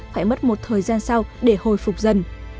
phải mất một thời gian sau để hồi phục dần